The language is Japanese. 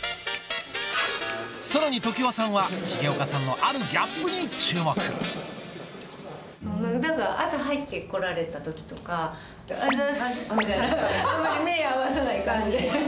さらに常盤さんは重岡さんのある朝入ってこられた時とか「おはようございます」みたいなあんまり目合わさない感じ。